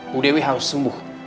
bu dewi harus sembuh